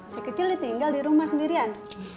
sekecil ditinggal di rumah sendirian